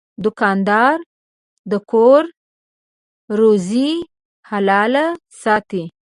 دوکاندار د کور روزي حلاله ساتي.